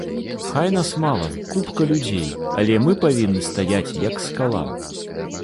Хай нас мала, купка людзей, але мы павінны стаяць як скала.